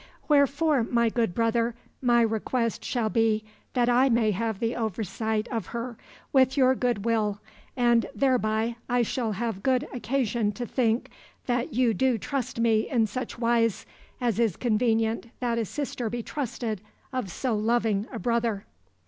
Wherefore, my good brother, my request shall be, that I may have the oversight of her with your good will, and thereby I shall have good occasion to think that you do trust me in such wise as is convenient that a sister be trusted of so loving a brother."